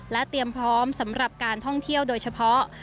เตรียมพร้อมสำหรับการท่องเที่ยวโดยเฉพาะ